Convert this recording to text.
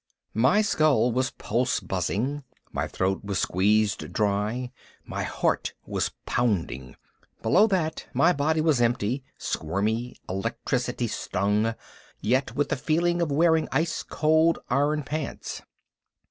My skull was pulse buzzing. My throat was squeezed dry. My heart was pounding. Below that my body was empty, squirmy, electricity stung, yet with the feeling of wearing ice cold iron pants.